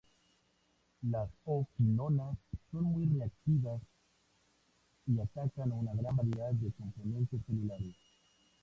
Las o-quinonas son muy reactivas y atacan a una gran variedad de componentes celulares.